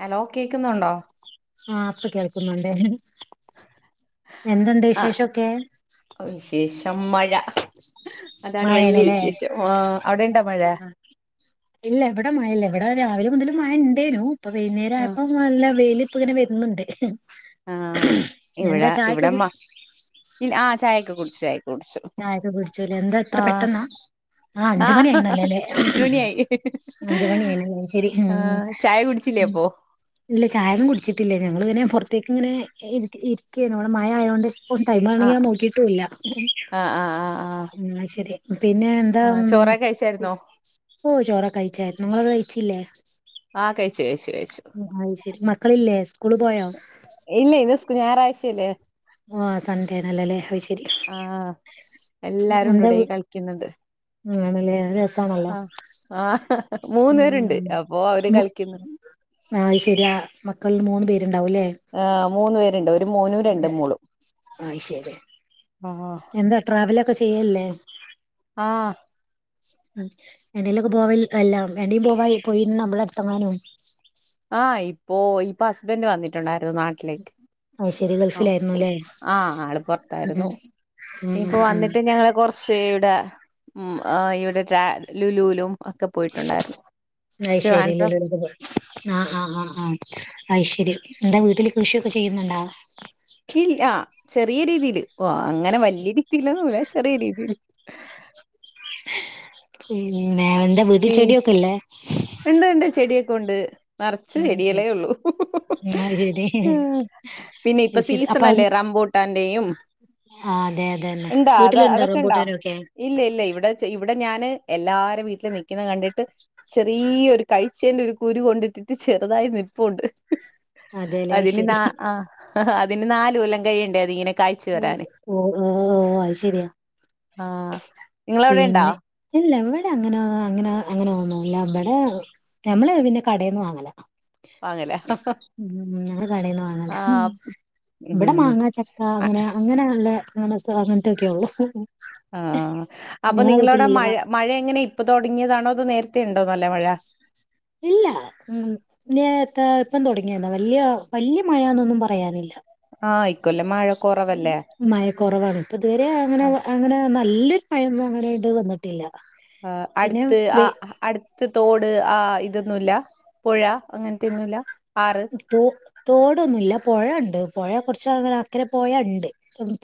Hello കേക്കുന്നൊണ്ടോ? ആ ഇപ്പ കേൾക്കുന്നുണ്ടേനു എന്തൊണ്ട് ആഹ് വിശേഷൊക്കെ? വിശേഷം മഴ അതാണ് വല്ല്യ മഴയാണല്ലേ വിശേഷംആ അവിടെണ്ടോ മഴ. ആ. ഇല്ല ഇബടെ മയല്ല. ഇവിടെ രാവിലെ മുതൽ മഴ ഉണ്ടേനു ഇപ്പ വൈകുന്നേരം ആയപ്പോ നല്ല വെയിലിപ്പങ്ങനെ വരുന്നുണ്ട്. ആ എന്താ ഇവിടെ ചായക്കെ ഇവിടെമ്മ, ല്ല ആ ചായൊക്കെ കുടിച്ച്‌ചായ ചായക്ക കുടിച്ചൂലെ എന്താ ഇത്ര പെട്ടെന്നാ? ആ അഞ്ചു മണി ആഹ് ആയിണല്ലേല്ലേ അഞ്ച് മണിയായി അഞ്ചുമണി ആയിണല്ലേ ശരി, ഉം എപ്പോ ഇല്ല ചായൊന്നും കുടിച്ചിട്ടില്ലേ, ഞങ്ങൾ ഇങ്ങനെ പൊറത് എക്കിങ്ങനെ ഇ ഇരിയ്ക്കാണിവിടെ മയ ആയോണ്ട് ഒര് ടൈം ആണെങ്കി ആഹ് ഞാൻ നോക്കിയിട്ടുല്ല. ആഹ് ആഹ് ആഹ് ആഹ് ആ ശരി. പിന്നെ എന്താ ആഹ് ചോറൊക്കെ കഴിച്ചായിരുന്നോ ഓ ചോറക്കെ കഴിച്ചായിരുന്നു നിങ്ങള് കഴിച്ചില്ലേ ആഹ് കഴിച്ചു കഴിച്ചു കഴിച്ചു ആ ശരി മക്കളില്ലേ? സ്കൂള് പോയോ ഇല്ല ഇന്ന് ഞായറാഴ്ചല്ലേ? ആ സൺഡേയാണല്ലോ അല്ലേ, അത് ശരി. ആഹ് എല്ലാരും ഉണ്ട് സൺഡേ ഇവിടെ വീ കളിക്കുന്നുണ്ട് [inaudible] ആണല്ലേ അത് രസാണല്ലോ. ആഹ് ആഹ് മൂന്ന് ഉം പേരുണ്ട് അപ്പൊ അവര് മൂ കളിക്കുന്നു ആ ശരിയാ മക്കൾ മൂന്ന് പേര്. ആ മൂന്നു പേരുണ്ട് ഒരു മോനും രണ്ടു ഏ, മോളും. അത് ശരി ആഹ് എന്താ ട്രാവലൊക്കെ ചെയ്യല്ലേ? ആ ഉം ഏടെലുവൊക്കെ പോകൽ എല്ലാ ഏടെ പോവായി പോയിൻ നമ്മളടുത്തങ്ങാനും. ഓ ഇപ്പ ഹസ്ബൻഡ് വന്നിട്ടൊണ്ടാരുന്നു. ഈടെ നാട്ടിലേക്ക്, അത് ശരി ഗൾഫിലായിരുന്നുല്ലേ ആ ആള് പൊറത്തായിരുന്നു. ഉം ഉം ഇപ്പൊ ഉം ഉം വന്നിട്ട് ഞങ്ങള് കുറച്ച് ഈടെ ഉം അ ഇവിടെ റ്റേ ലുലൂലും. ഒക്കെ പോയിട്ടുണ്ടായിരുന്നു അയ് ശരി ട്രിവാൻഡ്രം ലുലൂലൊക്കെ പോയ്‌. ആ ആ ആ ആ അയ് ശരി. എന്താ വീട്ടില് കൃഷിയൊക്കെ ചെയ്യുന്നൊണ്ടോ? ഇല്ല ചെറിയ രീതിയില്, ഓ അങ്ങനെ വല്ല്യ രീതിലൊന്നുംല്ലാ ചെറിയ രീതില്. പിന്നെ എന്താ വീട്ടിൽ പി ചെടിയൊക്കെല്ലേ ക്കെണ്ട് നറച്ച് ഉം ഉം ചെടികളെ ഉള്ളൂ. അത് ശരി പിന്നെ ഇപ്പ അത് ശരി സീസൺ അപ്പൊ അത് അല്ലേ റംബൂട്ടാന്റെയും ആ അതെ അതന്നെ ഉണ്ടാ അത വീട്ടിലുണ്ടോ അതൊക്കെ ഇണ്ടാ? റംബൂട്ടാനൊക്കെ ഇല്ല ഇല്ല ഇവിടെ ഇവിടെ ഞാന് എല്ലാരെ വീട്ടില് നി ക്കുന്ന കണ്ടിട്ട് ചെറീയ ഒരു കഴിച്ചേന്റെ ഒരു കുരു കൊണ്ടിട്ടിട്ട് ചെറുതായി നിപ്പുണ്ട്. അതെല്ലേ അതിനി ന ശരി ആ അതിനി നാല് കൊല്ലം കഴിയണ്ടേ അതിങ്ങനെ കായ്ച്ചു ഓ വരാന് ഓ ഓ അത് ശരിയാ. ആഹ് നിങ്ങളവിടെണ്ടാ അല്ല അങ്ങന അങ്ങന അങ്ങനൊന്നുല്ല ഇവിടെ ഞമ്മള് പിന്നെ കടേന്ന് വാങ്ങല വാങ്ങല ഉം ഞങ്ങള് കടേന്ന് വാങ്ങല ആഹ് ഇവടെ ഉം മാങ്ങാ ച- അങ്ങനെ അങ്ങനെ നല്ല അങ്ങന അങ്ങനത്തെൊക്കെള്ളൂ ആ അപ്പൊ നിങ്ങളവിടെ മഴ മാ മഴ എങ്ങനെ ഇപ്പൊ തുടങ്ങിയതാണോതൊ നേരത്തെ ഉണ്ടോ നല്ല മഴ ഇല്ല ഉം നേരത്തെ ഇപ്പം തുടങ്ങിയന്നാ വല്യ വല്യ മഴയാന്നൊന്നും പറയാനില്ല ആഹ് ഇക്കൊല്ലം മഴ കൊറവല്ലേ മഴ കൊറവാണ് ഇപ്പൊതുവരെ അങ്ങനെ അങ്ങനെ നല്ലരു മയൊന്നും അങ്ങനെയായിട്ട് വന്നിട്ടില്ല ആഹ് പിന്നെ അടുത്ത് വെ ആ അടുത്ത് തോട് ആഹ് ഇതൊന്നൂല്ല പുഴ അങ്ങനത്തൊന്നൂല്ല തോ തോടൊന്നൂല്ല പൊഴേണ്ട് പൊഴ കൊറച്ചക്കരെപോയ പൊഴെണ്ട്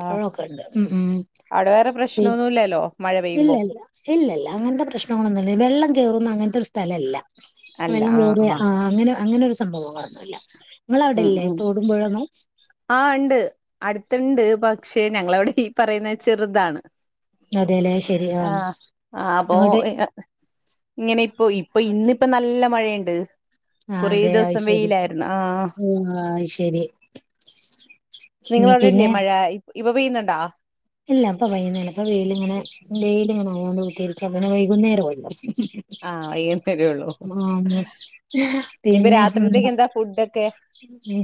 ആഹ് പഴോക്കെണ്ട് ഉം ഉം അവിടെ വേറെ പ്രശ്നൊന്നുല്ലല്ലോ മഴ പെയ്യുമ്പോ ഇല്ലല്ല ഇല്ലില്ല അങ്ങനത്തെ പ്രശ്നങ്ങളൊന്നുല്ല വെള്ളം കേറുന്ന അങ്ങനത്തെ ഒരു സ്ഥലല്ല വെള്ളം കേറ ആഹ് അങ്ങനെ അങ്ങനെ ഒരു സംഭവന്നില്ല ഉം നിങ്ങളവിടില്ലേ ഉം തോടുമ്പുഴോന്നും. ആഹ് ഇണ്ട് അടുത്തിണ്ട് പക്ഷെ ഞങ്ങളവിടെ ഈ പറയുന്ന ചെറ്താണ് അതെല്ലേ ശരി ആ ആഹ് അപ്പൊ അങ്ങോട്ട് ഇങ്ങനെ ഇപ്പൊ ഇപ്പൊ ഇന്നിപ്പോ നല്ല മഴിണ്ട് ആ കുറേ അതെ ദിവസം അയ്ശരി വെയിലാര്ന്നു ആഹ് ആ അയ്ശരി നിങ്ങളവിടെ ഇല്ലേ പിന്നെ മഴ ഇ ഇപ്പപെയ്യുന്നുണ്ടാ. ഇല്ല ഇപ്പപെയ്യിന്നില്ല. ഇപ്പ വെയിലിങ്ങനെ വെയിലിങ്ങനെ ആയോണ്ടിക്കും. അങ്ങനെ വൈകുന്നേരല്ലോ. ആഹ് അയ്യൻതൊരു ആഹ് ഇനിയിപ്പ പിന്നെ രാത്രിത്തേക്ക് എന്താ ഫുഡൊക്കെ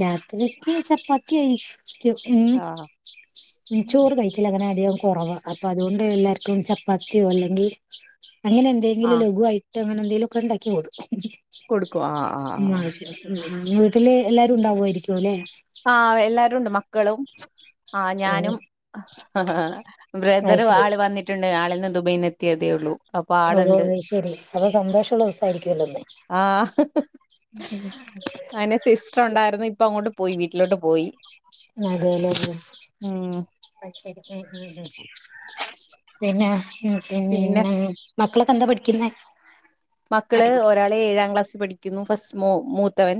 രാത്രിക്കെ ചപ്പാത്തിയാരിക്കും. ആഹ് ഉം ചോറ് കയിച്ചില്ല. അങ്ങനധികം. കൊറവ അപ്പതുകൊണ്ട് എല്ലാർക്കും ചപ്പാത്തിയോ. അല്ലെങ്കി അങ്ങനെന്തെങ്കിലും. ആഹ് ലഘുവായി അങ്ങനെന്തേലൊക്കെ ഒണ്ടാക്കി കൊടുക്കും ആഹ് ആഹ് ഉം ആഹ് അയ്ശരി വീട്ടില് എല്ലാരും ഉണ്ടാവാരിക്കും. അല്ലെ ആഹ് എല്ലാരുണ്ട് മ- മക്കളും ആഹ് ഉം ഞാനും അത് ബ്രദറും ശരി ആള് വന്നിട്ടുണ്ട് ആള്- ദുബൈയിന് എത്തിയതേള്ളൂ. ഓ ശെരി അപ്പ സന്തോഷുള്ള ദിവസായിരിക്കുല്ലേന്ന് ആന്നെ സിസ്റ്റർ ഒണ്ടായിരുന്നു. ഇപ്പങ്ങോട്ട് പോയി. വീട്ടിലോട്ട് പോയി. അതേല്ലെ ഉം പിന്നെ ഉ പിന്നെ മക്കളെക്കെന്താ പഠിക്കുന്നെ. മക്കള് ഒരാളേഴാം ക്ലാസ്സി പഠിക്കുന്നു. ഫസ്റ്റ് മു മൂത്തവൻ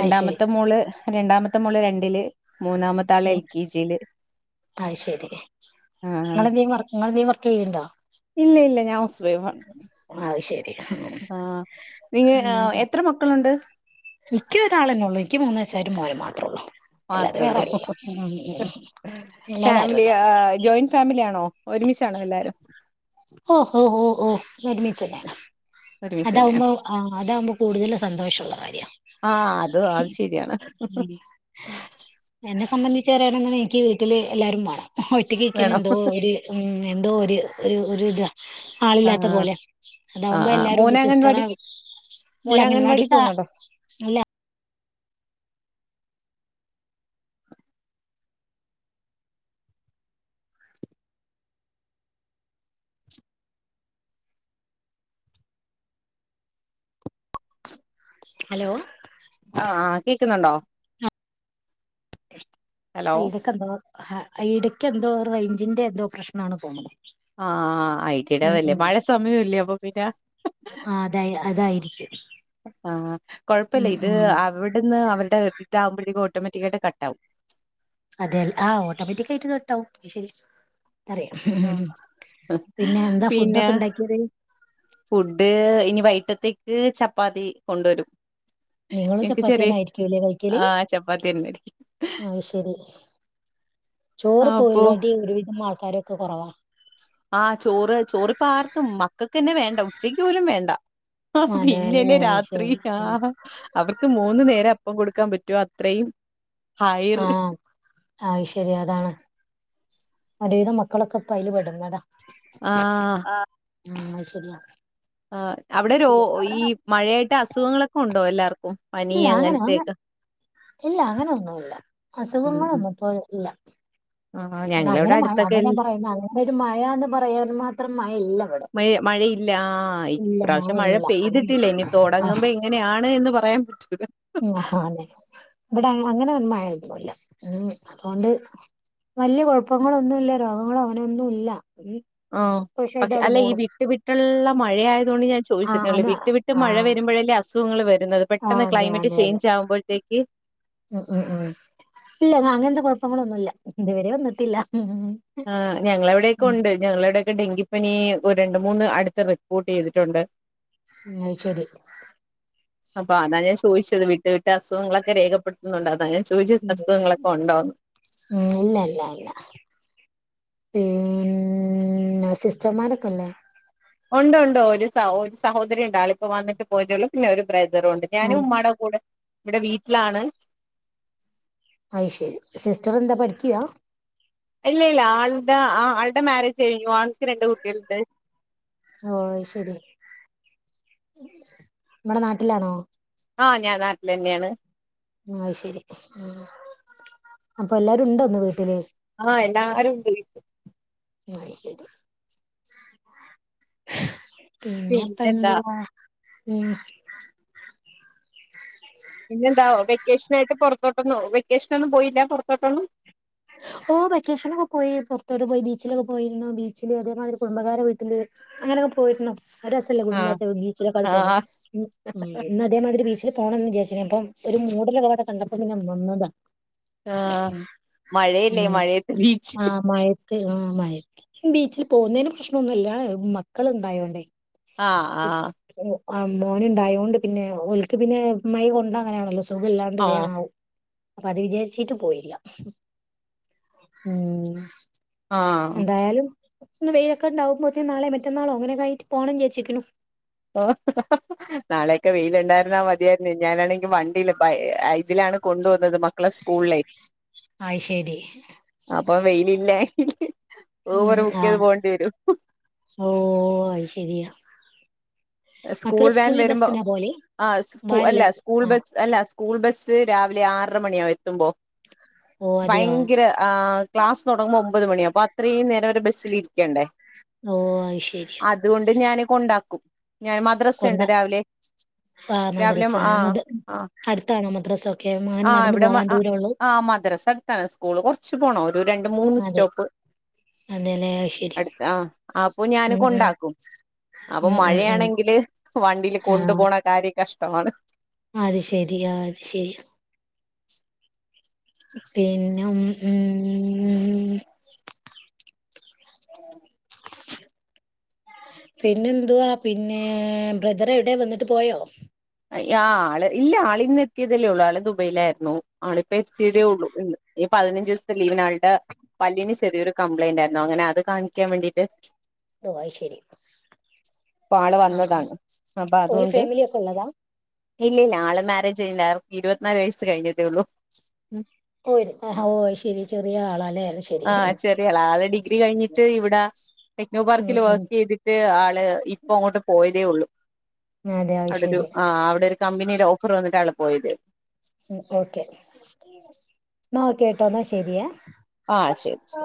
അത് ശരി മോള് രണ്ടാമത്തെ മോള് രണ്ടില്. മൂന്നാമത്തെ ആള് എൽ കെ ജിയില് അയ് ശരി ആഹ് ഇങ്ങളെന്തേ വർക്ക് ഇങ്ങെളെന്തേലു വർ- ചെയ്യ്ണ്ടോ? ഇല്ല ഇല്ല ഞാൻ ഹൗസ് വൈഫ് ശരി ആഹ് നിങ്ങ ഉം എത്ര മക്കളൊണ്ട് എനിക്ക് ഒരാളന്നെള്ളൂ എനിക്ക് മൂന്നയസ്സായ ഒരുമോനും മാത്രേള്ളൂ. മാത്രേ ഉള്ളൂ അല്ലാതെവേറെരുല്ല അല്ലാത ഫാമിലി ആരൂല്ല ആഹ് ജോയിന്റ് ഫാമിലി ആണോ ഒരുമിച്ചാണോ എല്ലാരും ഓ ഹോ ഹോ ഒരുമിച്ചല്ലാണ്. ഒരുമിച്ച് തന്നെയാ അതാവുമ്പോ ആഹ് അതാവുമ്പോ കൂടുതല് സന്തോഷുള്ള കാര്യാ ആഹ് അത് അത് ശരിയാണ് എന്നെ സംബന്ധിച്ചരെ എനിക്ക് വീട്ടില് എല്ലാരും വേണം. ഒറ്റകിക്കണ വേണം എന്തോ ഒര് എന്തോ ഒരു ഒരു ഒരുദ ആളില്ലാത്ത ആഹ് പോലെ ആഹ് അതാവുമ്പോ ആഹ് എല്ലാരുംണ്ട് മോന് സിസ്റ്ററ അംഗൻവാടി ഇല്ല മോന് അംഗൻവാടി അംഗൻവാടിക്ക പോകുന്നുണ്ടോ അല്ല ഹലോ ആ ആ് കേൾക്കുന്നുണ്ടോ? ഹലോ അയിടക്ക എന്തോ അടക്ക് എന്തോ റേഞ്ചിന്റെ എന്തോ പ്രശ്നണ് തോന്നുന്നു. ആഹ ഐട്ടടതല്ലേ മഴ സമയം ഇല്ല അപ്പൊ പിന്നെ ആ അതാ അതായിരിക്കും ആഹ കൊഴപ്പില്ല ഉം ഇത് ഉം അവിടുന്ന് അവരുടെ വട്ടട്ട ആകുമ്പോഴേക്ക ഓട്ടോമാറ്റിക്ക ആയിട്ട് കട്ട ആവും. അതെല്ല ആ ഓട്ടോമാറ്റിക് ആയിട്ട് തൊട്ടാവും ശരി അ ആഹ് പിന്നെ എന്താ ഫുഡ പിന്നെ ഒക്കെ ഉണ്ടാക്കിയത്. ഫുഡ് ഇനി വൈകട്ടത്തേക്ക് ചപ്പാത്തി കൊണ്ടുവരും. നിങ്ങളും എനിക്ക് ചപ്പാത്തി ചെറിയ തന്നെ ആയിരിക്കല്ലേ. കൈക്കല്. ആഹ് ചപ്പാത്തി തന്നെയായിരിക്കും ആ ശരി ചോറ് അപ്പൊ പോലാണ്ടി ഒരുവിധം ആൾക്കാരൊക്കെ കുറവാ. ആഹ ചോറ് ചോറിപ്പ ആർക്കും മക്കൾക്ക്ന്നെ വേണ്ട ഉച്ചക്ക് പോലും വേണ്ട. ആ അതേല്ലേ അത് പിന്നലരാത്രി ശരി ആ ഉം അവർക്ക് മൂന്നു നേരം അപ്പം കൊടുക്കാൻ പറ്റും. ഏറ്റവും അത്രയും ഹൈർ ആഹ് ആ ശരി അതാണ് ഒരു വിധം മക്കളൊക്കെ പ്പം അയ്ല് പെടുന്നതാ ആഹ ആ അത് ശരിയാണ് ആ് അവിടെോ ഈ മഴയായിട്ട് അസുഖങ്ങളൊക്കെ ഉണ്ടോ എല്ലാവർക്കും ഇല്ല അങ്ങനെ അങ്ങ ഇല്ല അങ്ങനെൊന്നുംല്ല ഉം ഉം അസുഖങ്ങളൊന്നും ഇപ്പോൾ ഇല്ല ആഹ് ഞങ്ങളവിടെ അങ്ങനെ മഴ അടുത്തൊക്കെ എൽ അങ്ങനെയ പറയുന്നത് അങ്ങനെ ഒരു മഴന്ന് പറയാൻ മാത്രം മഴ ഇല്ല ഇവിട മഴ മഴയില്ല ആ ഇപ്രാവശ്യം മഴ ഇല്ല പെയ്തിട്ടില്ല അങ്ങനെയൊന്നുല്ല ഇനി തുടങ്ങുമ്പോ എങ്ങനെയാണ് എന്ന് പറയാൻ പറ്റ ല്ല ഉ അതുകൊണ്ട് വലിയ കുഴപ്പങ്ങളൊന്നുമല്ല രോഗങ്ങളോ അങ്ങനെയൊന്നും ഇല്ല ഉം ആഹ കുശായിട്ട് പക്ഷെ അവിടെ അല്ല ഈ പോണു വിട്ടു വിട്ടുള്ള മഴയയതുകൊണ്ട് ഞാൻ ആഹ് ചോദിച്ചിരുന്നുള്ള വിട്ടു വിട്ട് മഴ വരുമ്പ േ [unintelligible] ആഹ അതെ അതെ അതെ ആകുമ്പോഴത്തേക്ക് ഉ ഉം ഉം ഇല്ല അങ്ങനതെ കുഴപ്പങ്ങളൊന്നുമ ഇല്ല ഇതുവരെ വന്നിട്ടല്ല ആ ഞങ്ങളെ എവിടെൊക്കെ ഉണ്ട് ഞങ്ങളവിടെ ഡെങ്കിപ്പനി രണ്ട മൂന്ന് അടുത്ത് റിപ്പോർട്ട് ചെയ്തിട്ടുണ്ട് അ ശരി അപ്പൊ അതാ ഞാൻ ചോദിച്ചത് വിട്ട വീട്ട് അസുഖങ്ങളൊക്കെ രേഖപ്പെടുത്തുന്നുണ്ട് അതാണ് ഞാൻ ചോദിച്ച ഉം അസുഖങ്ങളൊക്കെ ഉണ്ടോന്ന് ഇല്ല ഇല്ല ഇല്ല പിന്ന സിസ്റ്റർമാരക്കല്ലേ ഉണ്ടണ്ടോ ഒരു സ ഒരു സഹോദരി ഉണ്ട ആളിപ്പോ വന്നിട്ട് പോയിട്ടേളു പിന്നെ ഒരു ബ്രദറുണ്ട് ഞാനും ഉമ്മ്മമാടെ കൂടെ ഇവിടെ വീട്ടിലാണ് അയ്ശരി സിസ്റ്റർ എന്താ പഠിക്കിയാ ഇല്ല ഇല്ല ആളുടെ ആളുടെ മാരേജ് കഴിഞ്ഞു ആൾക്ക് രണ്ട് കുട്ടികളണ്ട് ഓ ശരി നമ്മടെ നാട്ടിലാണോ ആഹ ഞാൻ നാട്ടിൽ തന്നെയാണ് ആ ശരി അപ്പൊ എല്ലാരും ഇണ്ടോന്ന്ു വീട്ടില് ആഹ എല്ലാരും ണ്ട് അത് ശരി പിന്നെപ്പ പിന്നെന്താ എന്തുവാവാ ഉം പുറത്തോട്ടൊന്നോ വെക്കേഷനൊന്നും പോയില്ല പുറത്തോട്ടൊന്നും ഉ [unintelligible] ഇപ്പോൊ വെക്കേഷനൊക്കെ പോയി പുറത്തോട്ട് പോയി ബീച്ചിലൊക്കെ പോയിരുന്നു ബീച്ചില് അതേമാതിരി കുടബകാര വീട്ടില് അങ്ങനെ പോയ്ര്ന്നു അത് രെസല്ലേ ആഹ് കുടുംബൊത്ത് ബീച്ച്ലൊക്കാണ്ട് പോണെ ആഹ് ഇന്ന് അതേമാതിരി ബീച്ചില് പോണംന്ന് വിചാര്ച്നി അപ്പൊ ഒരു മൂടലൊക്കപാടെ കണ്ടപ്പോ പിന്നെ നിന്നതാ ആഹ് മഴയല്ലേ മഴയത്ത് ബീച്ച് ഒക്കെ ആ മഴയത്ത് ബീച്ചിൽ പോക്ന്നേന് പ്രശ്നൊന്നുല്ല മക്കള്ണ്ടായോണ്ടേ ആ ആ ആ മോന്ണ്ടായോണ്ട് പിന്നെ ഓൽക്ക് പിന്നെ മഴ കൊണ്ടാ അങ്ങനേണല്ലോ സുഖല്ലാണ്ട് വേം ആഹ് ആവും അപ്പൊ അത് വിചാര്ച്ചിട്ട് പോയില്ല മ്മ് ആഹ് എന്തായാലും ന്ന് വെയ്ലൊക്കെ ണ്ടാാവുമ്പോത്തിന് നാളെ മറ്റെന്നാളോ അങ്ങനെക്കായ്ട്ട് പോണം വിചാര്ച്ച്ക്ക്ണ് ഓ [unintelligible] നാളെയൊക്കെ വെയില്ണ്ടായിരുന്നാ മതിയായ്ര്ന്നു ഞാനാണെങ്കി വണ്ടീൽ അയ്ജ്ലാണ് കൊണ്ടോ ന്നത് മക്കളെ സ്കൂള്ലേ അയ് ശരി അപ്പൊ വെയ്ലില്ലാങ്കി ഊബർ ഉം ബുക്കെയ്ത് ആഹ് പോണ്ട്യരും ഓ അയ് ശരിയാ സ്കൂൾ മക്കള് വാൻ സ്കൂളിൽ വരുമ്പോ ബസ്സിനാ പോവല് ആ സ്കൂ വാനില അല്ല സ്കൂൾ ആഹ് ബസ് അല്ല സ്കൂൾ ബസ്സ് രാവിലെ ആറര മണിയാവും എത്തുമ്പോ ഓ അതെയോ ഭയ്ങ്കര ആ ക്ലാസ് തൊടങ്ങുമ്പൊമ്പത് മണിയാവും അപ്പോ അത്രേം നേരം അവര് ബസ്സ്ല് ക്കണ്ടേ ഓ അയ് ശരി അത്കൊണ്ട് ഞാൻ കൊണ്ടാ ഞാൻ കൊണ്ട മദ്രസണ്ട് രാവിലെ ആഹ് രാവിലെ മദ്രസ ആ മദ് ആ അടുത്താണോ മദ്രസൊക്കെ അങ്ങനെ ആ നടന്നു ഇവിടെ പോവാൻ ദൂരൊള്ളൂ ആ മദ്രസ അട്ത്താണ് സ്കൂൾ കൊറ്ച്ച് പോണം ഒരണ്ട് മൂന്ന് അതെ സ്റ്റോപ്പ് അതെല്ലേ അയ് ശരി അട്ത്താ ആ അപ്പൊ ഞാൻ ഉം കൊണ്ടാക്കും അപ്പോ ഉം ഉം ഉം ഉം മഴയാണെങ്കിൽ ങ്കിൽ വണ്ടീൽ ആഹ് കൊണ്ടുപോണ കാര്യം കഷ്ടമാണ് അത് ശെരിയാ അത് ശരി പിന്നെ ഉം പിന്നെന്തുവാ പിന്നെ ബ്രദറെവ്ടെ വന്ന്ട്ട് പോയോ ആ ആ ഇല്ല ആളിന്ന് എത്തിയതല്ലേ ഒള്ളു ആള് ദുബൈയിലായ്ര്ന്നു ആളിപ്പോ എത്തിയതേ ഒള്ളു ഇന്ന് ഈ പതിനഞ്ചൂസ്ത്തെ ലീവ്നാള്ടെ പല്ലിന് ചെറ്യൊരു കംപ്ലയ്ന്റായ്ര്ന്നു അങ്ങനെ അത് കാണിക്കാൻ വേണ്ടിട്ട് ഓ അയ്ശെരി പ്പാള് വന്നതാണ് അപ്പൊ അതുകൊണ്ട് ഫാമിലി ഒക്കെ ഉള്ളതാ ഇല്ലില്ല്യാ ആള് മേരേജ് കഴ്ഞ്ല്ല ആൾക്ക് ഇരുവത്ത്നാല് വയസ്സ് കഴ്ഞ്ഞ്ട്ടോള്ളൂ ആഹ് ഓ അത് ശരി ചെറിയ ആളാല്ലേ അത് ശരി ആഹ് ചെറിയാൾ ആൾ ഡിഗ്രി കഴിഞ്ഞിട്ട് ഇവിടാ ടെക്നോ ഉം പാർക്കില് ഉം വർക്ക് ചെയ്തിട്ട് ആള് ഇപ്പൊ അങ്ങോട്ട് പോയതേ ഉള്ളു അതെ അത്ശെര്യാ ആ അവിടൊരു കമ്പനിടെ ഓഫർ വന്നിട്ടാ ആൾ പോയത് ഉം ഉ ഓക്കെ ന്നാ ഓക്കെട്ടോ ന്നാ ശെര്യേ ആഹ് ശരി ശരി